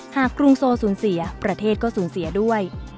กรุงโซสูญเสียประเทศก็สูญเสียด้วย